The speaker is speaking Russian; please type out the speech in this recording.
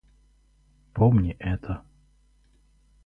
Помни это.